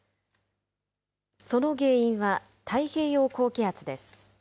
その原因は太平洋高気圧です。